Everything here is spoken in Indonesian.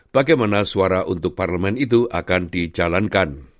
bagaimana suara untuk parlemen itu akan dijalankan